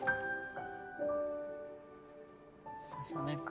ささめ君。